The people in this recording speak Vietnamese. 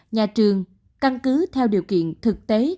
nhà trường căn cứ theo điều kiện thực tế